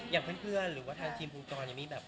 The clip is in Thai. อย่างเพื่อนหรือว่าทางทีมคุณกรยังมีแบบ